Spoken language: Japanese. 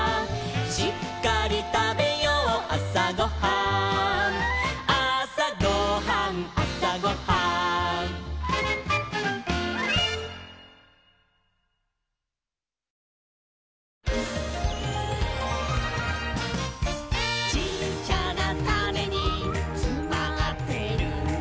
「しっかりたべようあさごはん」「あさごはんあさごはん」「ちっちゃなタネにつまってるんだ」